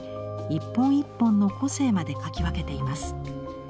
一本一本の個性まで描き分けています。